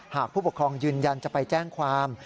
ผู้ปกครองยืนยันจะไปแจ้งความ